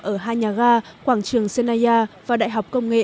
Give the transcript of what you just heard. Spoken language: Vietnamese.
ở hai nhà ga quảng trường sena và đại học công nghệ